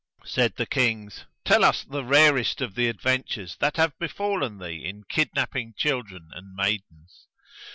Said the Kings, "Tell us the rarest of the adventures that have befallen thee in kidnapping children and maidens."